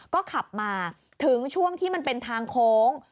ก็ขับมาถึงช่วงที่มันเป็นทางโค้ง